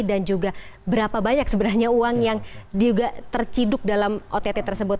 dan juga berapa banyak sebenarnya uang yang juga terciduk dalam ott tersebut